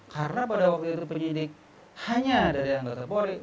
karena pada waktu itu penyidik hanya dari anggota polisi